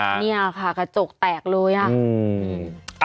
เนี่ยค่ะกระจกแตกเลยอ่ะอืม